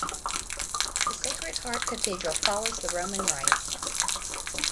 The Sacred Heart Cathedral follows the Roman rite.